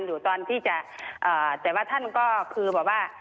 อยู่ตอนที่จะแต่ว่าท่านก็คือแบบว่า